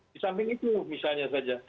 di samping itu misalnya saja